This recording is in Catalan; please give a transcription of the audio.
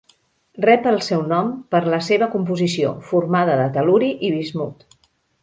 Rep el seu nom per la seva composició, formada de tel·luri i bismut.